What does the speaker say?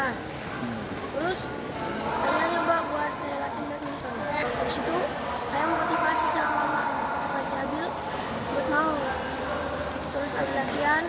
terus ayahnya nyebak buat saya latihan badminton